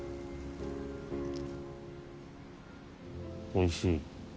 おいしい。